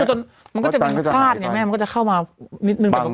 จนมันก็จะมีคาดไงแม่มันก็จะเข้ามานิดนึง